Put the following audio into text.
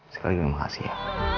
sekali lagi makasih ya